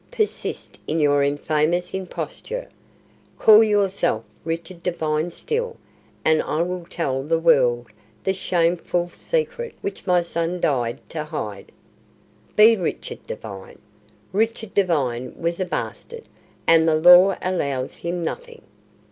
Persist in your infamous imposture. Call yourself Richard Devine still, and I will tell the world the shameful secret which my son died to hide. Be Richard Devine! Richard Devine was a bastard, and the law allows him nothing!"